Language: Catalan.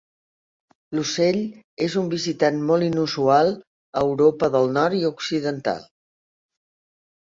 L'ocell és un visitant molt inusual a Europa del Nord i Occidental.